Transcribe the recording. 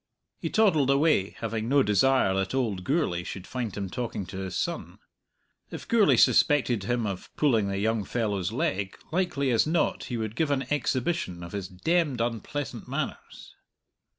He toddled away, having no desire that old Gourlay should find him talking to his son. If Gourlay suspected him of pulling the young fellow's leg, likely as not he would give an exhibition of his demned unpleasant manners.